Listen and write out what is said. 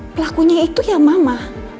pelakunya itu ya mama